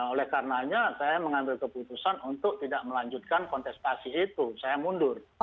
oleh karenanya saya mengambil keputusan untuk tidak melanjutkan kontestasi itu saya mundur